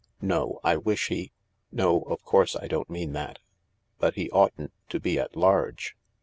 "No, I wish he — no, of course I don't mean that. But he oughtn't to be at large.